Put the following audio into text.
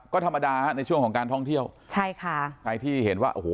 ก็ธรรมดาฮะในช่วงของการท่องเที่ยวใช่ค่ะใครที่เห็นว่าโอ้โห